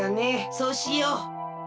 そうしよう。